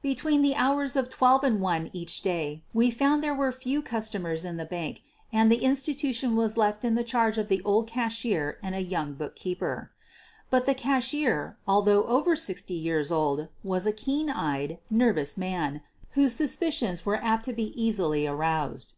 Between the hours of 12 and 1 each day we found there were few customers in the bank and the institution was left in charge of the old cashier and a young bookkeeper. But the cashier, although over sixty years old, was a keen eyed, nervous man, whose suspicions were apt to be easily aroused.